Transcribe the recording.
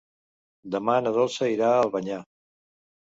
Demà na Dolça irà a Albanyà.